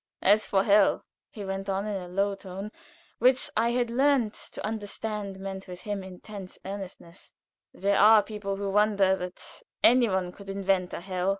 "As for hell," he went on, in a low, calm tone which I had learned to understand meant with him intense earnestness, "there are people who wonder that any one could invent a hell.